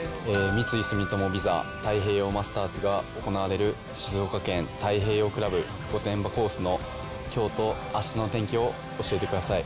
三井住友ＶＩＳＡ太平洋マスターズが行われる静岡県太平洋クラブ御殿場コースのきょうとあしたの天気を教えてください。